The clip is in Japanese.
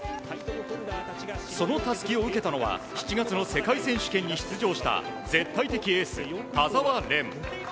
そのたすきを受けたのは７月の世界選手権に出場した絶対的エース田澤廉。